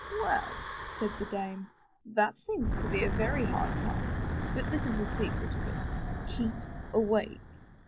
Well,'' said the dame, *'that seems to be a very hard task. But this is the secret of it — keep awake